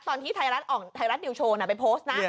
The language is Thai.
ตอนที่ไทยรัฐออกไทยรัฐนิวโชว์ไปโพสต์นะ